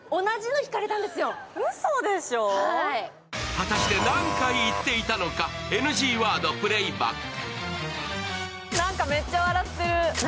果たして何回言っていたのか、ＮＧワード、プレイバック。